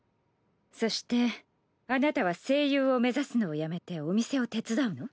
そしてあなたは声優を目指すのをやめてお店を手伝うの？